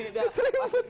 aduh kepentok banget